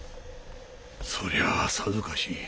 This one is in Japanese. そりゃあさぞかし。